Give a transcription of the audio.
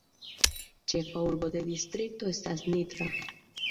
Ĉefa urbo de distrikto estas Nitra.